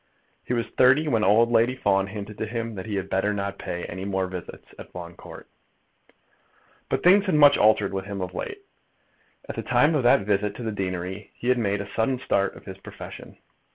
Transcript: He was thirty when old Lady Fawn hinted to him that he had better not pay any more visits at Fawn Court. But things had much altered with him of late. At the time of that visit to the deanery he had made a sudden start in his profession.